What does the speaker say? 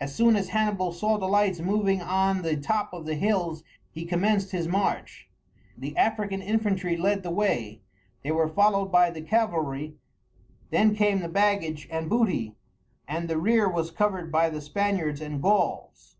As soon as Hannibal saw the lights moving on the top of the hills he commenced his march. The African infantry led the way; they were followed by the cavalry; then came the baggage and booty, and the rear was covered by the Spaniards and Gauls.